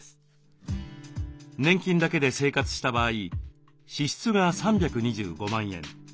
年金だけで生活した場合支出が３２５万円。